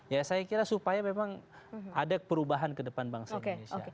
ya saya kira supaya memang ada perubahan ke depan bangsa indonesia